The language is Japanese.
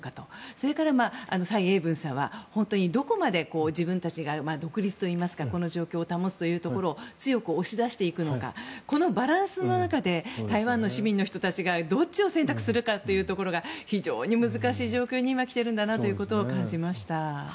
それから、蔡英文さんはどこまで自分たちが独立といいますかこの状況を保つところを強く押し出していくかこのバランスの中で台湾の市民の人たちがどっちを選択するかというところが非常に難しい状況に今来ていると感じました。